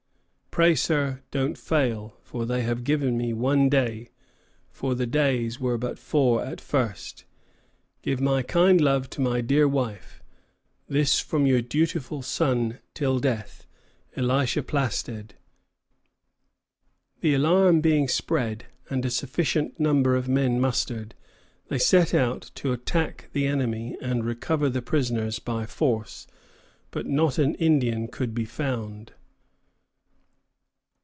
Pray, Sir, don't fail, for they have given me one day, for the days were but 4 at first. Give my kind love to my dear wife. This from your dutiful son till death, Elisha Plaisted. The alarm being spread and a sufficient number of men mustered, they set out to attack the enemy and recover the prisoners by force; but not an Indian could be found.